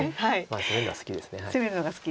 攻めるのは好きです。